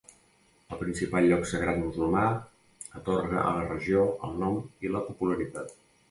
El principal lloc sagrat musulmà atorga a la regió el nom i la popularitat.